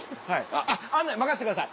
あっ案内任せてください！